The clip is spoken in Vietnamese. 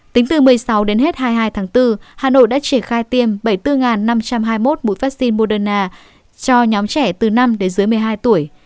tính từ một mươi sáu đến hết hai mươi hai tháng bốn hà nội đã triển khai tiêm bảy mươi bốn năm trăm hai mươi một mũi vaccine moderna cho nhóm trẻ từ năm đến dưới một mươi hai tuổi